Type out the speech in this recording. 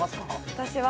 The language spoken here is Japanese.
私は。